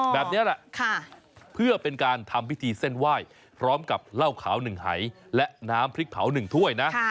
แบบนี้แหละเพื่อเป็นการทำพิธีเส้นไหว้พร้อมกับเหล้าขาว๑หายและน้ำพริกเผา๑ถ้วยนะ